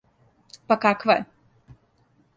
Па каква је?